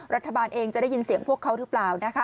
รัฐบาลเองจะได้ยินเสียงพวกเขาหรือเปล่านะคะ